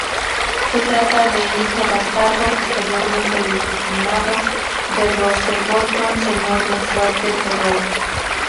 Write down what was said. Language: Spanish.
Se trata del hijo bastardo, posteriormente legitimado, de Roose Bolton, Señor de Fuerte Terror.